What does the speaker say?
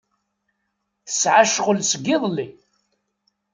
Tesɛa ccɣel seg iḍelli.